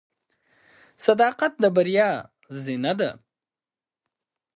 • صداقت د بریا زینه ده.